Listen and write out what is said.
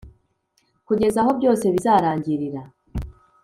kugeza aho byose bizarangirira.